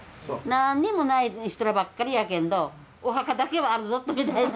なんにもない人らばっかりやけんどお墓だけはあるぞみたいな。